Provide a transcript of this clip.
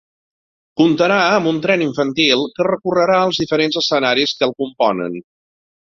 Comptarà amb un tren infantil que recorrerà els diferents escenaris que el componen.